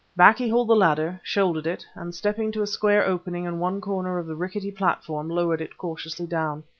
Back he hauled the ladder, shouldered it, and stepping to a square opening in one corner of the rickety platform, lowered it cautiously down.